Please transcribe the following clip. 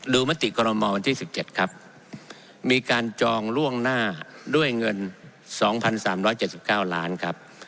มติกรมอลวันที่๑๗ครับมีการจองล่วงหน้าด้วยเงิน๒๓๗๙ล้านครับ